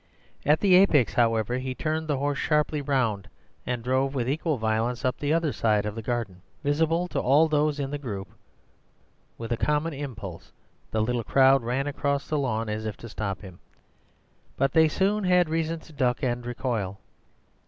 At the apex, however, he turned the horse sharply round and drove with equal violence up the other side of the garden, visible to all those in the group. With a common impulse the little crowd ran across the lawn as if to stop him, but they soon had reason to duck and recoil.